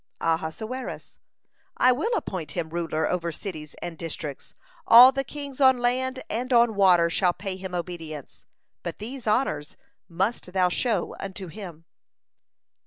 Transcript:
Ahasuerus: "I will appoint him ruler over cities and districts. All the kings on land and on water shall pay him obedience, but these honors must thou show unto him."